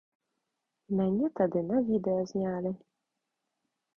Мяне тады на відэа знялі.